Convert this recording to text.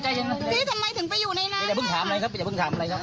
ใจเย็น